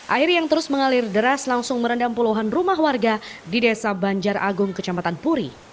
air yang terus mengalir deras langsung merendam puluhan rumah warga di desa banjar agung kecamatan puri